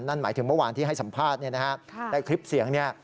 นั่นหมายถึงเมื่อวานที่ให้สัมภาษณ์ได้คลิปเสียงเนี่ย